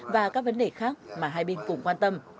và các vấn đề khác mà hai bên cùng quan tâm